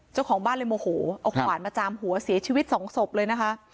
เจ้าของบ้านเลยโมโหเอาขวานมาจามหัวเสียชีวิตสองศพเลยนะคะ